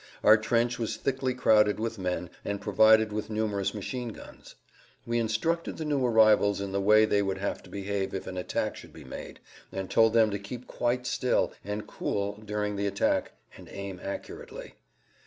Our trench was thickly crowded with men, and provided with numerous machine guns. We instructed the new arrivals in the way they would have to behave if an attack should be made, and told them to keep quite still and cool during the attack and aim accurately.